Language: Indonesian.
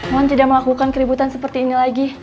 mohon tidak melakukan keributan seperti ini lagi